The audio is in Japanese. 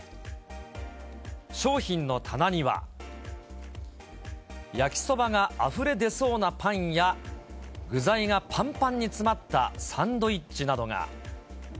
商品の棚には、焼きそばがあふれ出そうなパンや、具材がぱんぱんに詰まったサンドイッチなどが。